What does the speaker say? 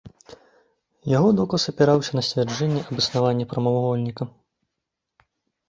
Яго доказ апіраўся на сцвярджэнне аб існаванні прамавугольніка.